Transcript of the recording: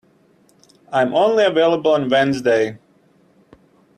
I am only available on Wednesday.